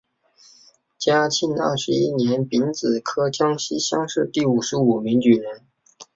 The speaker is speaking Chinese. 嘉庆二十一年丙子科江西乡试第五十五名举人。